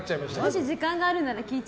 もし時間があるなら聞い